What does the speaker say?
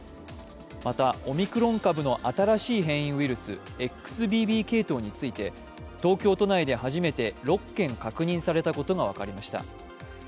また、オミクロン株の新しい変異ウイルスＸＢＢ系統について東京都内で初めて６件確認されたことが分かりました。